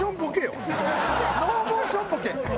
ノーモーションボケ。